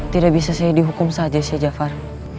tidak bisa saya dihukum saja che jafar